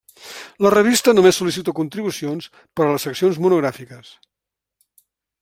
La revista només sol·licita contribucions per a les seccions monogràfiques.